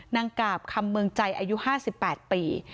นางกาบคำเมืองใจอายุ๕๘ปี